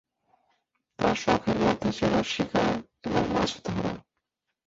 তার শখের মধ্যে ছিল শিকার এবং মাছ ধরা।